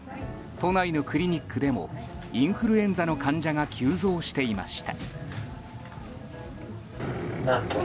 都内のクリニックでもインフルエンザの患者が急増していました。